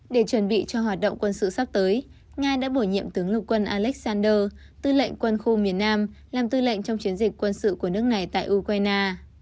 để chuẩn bị cho hoạt động quân sự sắp tới nga đã bổ nhiệm tướng lục quân alexander tư lệnh quân khu miền nam làm tư lệnh trong chiến dịch quân sự của nước này tại ukraine